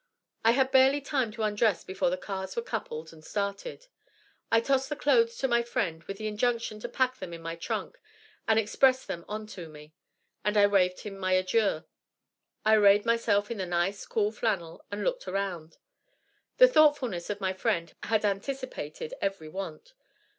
I had barely time to undress before the cars were coupled and started. I tossed the clothes to my friend with the injunction to pack them in my trunk and express them on to me, and waved him my adieu. I arrayed myself in the nice, cool flannel and looked around. The thoughtfulness of my friend had anticipated every want.